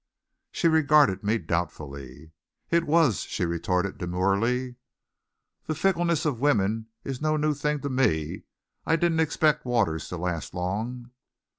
She regarded me doubtfully. "It was," she retorted demurely. "The fickleness of women is no new thing to me. I didn't expect Waters to last long."